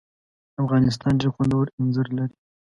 افغانستان ډېر خوندور اینځر لري.